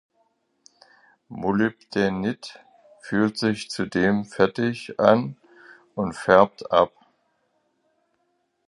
Molybdänit fühlt sich zudem fettig an und färbt ab.